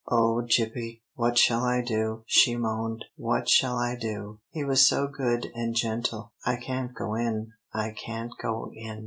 "Oh, Gippie, what shall I do?" she moaned. "What shall I do? He was so good and gentle. I can't go in I can't go in."